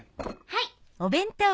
はい。